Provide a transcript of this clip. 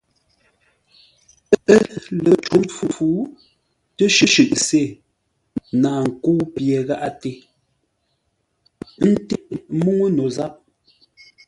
Ə́ lə pə́ cǒ mpfu, təshʉʼ se naa nkə́u pye gháʼate, ńté múŋú no záp.